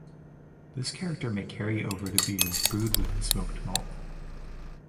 This character may carry over to beers brewed with the smoked malt.